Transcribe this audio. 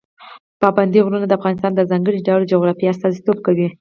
پابندی غرونه د افغانستان د ځانګړي ډول جغرافیه استازیتوب کوي.